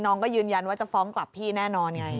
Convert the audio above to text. น้องก็ยืนยันว่าจะฟ้องกลับพี่แน่นอนไง